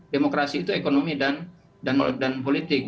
demokrasi itu ekonomi dan politik